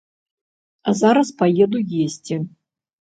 А зараз паеду есці.